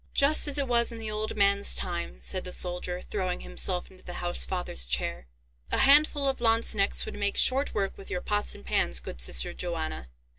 "Just as it was in the old man's time," said the soldier, throwing himself into the housefather's chair. "A handful of Lanzknechts would make short work with your pots and pans, good sister Johanna."